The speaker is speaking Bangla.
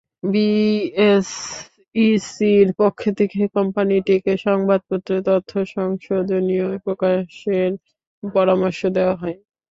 বিএসইসির পক্ষ থেকে কোম্পানিটিকে সংবাদপত্রে তথ্য সংশোধনী প্রকাশের পরামর্শ দেওয়া হয়।